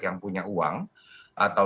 yang punya uang atau